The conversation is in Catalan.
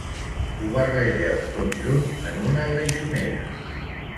Ho barregeu tot junt en una greixonera